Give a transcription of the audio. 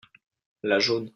la jaune.